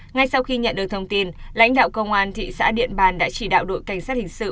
ngay sau khi nhận được thông tin lãnh đạo công an thị xã điện bàn đã chỉ đạo đội cảnh sát hình sự